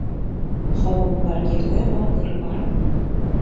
Халыҡ бар ерҙә батыр бар.